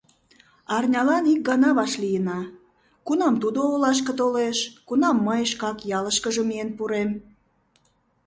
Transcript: Арнялан ик гана вашлийына: кунам тудо олашке толеш, кунам мый шкак ялышкыже миен пурем.